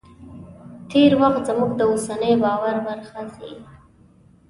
تېر وخت زموږ د اوسني باور برخه ګرځي.